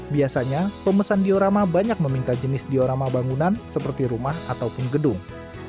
biasanya pemesan diorama banyak meminta jenis diorama bangunan seperti rumah ataupun gedung